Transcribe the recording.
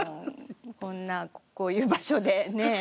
こんなこういう場所でねえ。